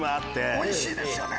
おいしいですよね。